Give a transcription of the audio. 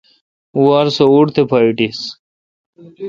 او وار سو ووٹ تھ پا ایٹیس۔